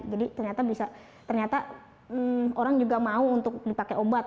jadi ternyata bisa ternyata orang juga mau untuk dipakai obat